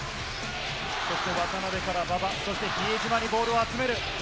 そして渡邊から馬場、そして比江島にボールを集める。